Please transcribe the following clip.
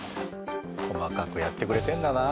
細かくやってくれてるんだな。